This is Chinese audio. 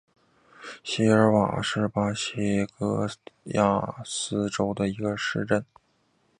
锡尔瓦尼亚是巴西戈亚斯州的一个市镇。